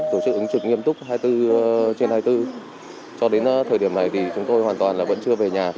tổ chức ứng trực nghiêm túc hai mươi bốn trên hai mươi bốn cho đến thời điểm này thì chúng tôi hoàn toàn là vẫn chưa về nhà